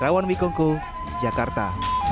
rewan wikungku jakarta